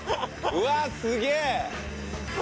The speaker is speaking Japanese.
うわっすげえ！